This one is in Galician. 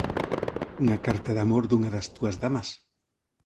Unha carta de amor dunha das túas damas?